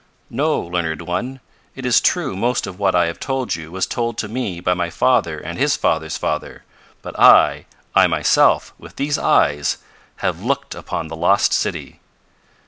"No, Learned One. It is true most of what I have told you was told to me by my father and his father's father. But I I myself with these eyes, have looked upon the lost city."